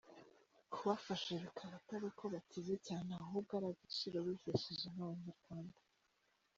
Kubafasha bikaba atari uko bakize cyane ahubwo ari agaciro bihesheje nk’Abanyarwanda.